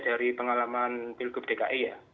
dari pengalaman pilgub dki